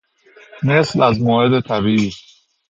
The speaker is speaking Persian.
مثل از موعد طبیعی